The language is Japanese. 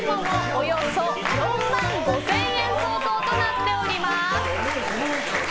およそ４万５０００円相当となっております。